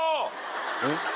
えっ？